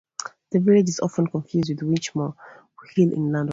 The village is often confused with Winchmore Hill in London.